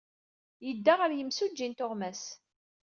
Yedda ɣer yemsujji n tuɣmas.